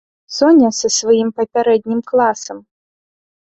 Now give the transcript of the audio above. Соня са сваім папярэднім класам.